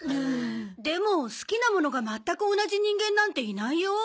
でも好きなものがまったく同じ人間なんていないよ。